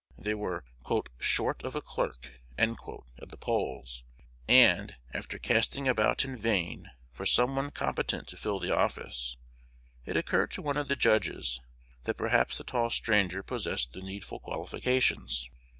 They were "short of a clerk" at the polls; and, after casting about in vain for some one competent to fill the office, it occurred to one of the judges that perhaps the tall stranger possessed the needful qualifications.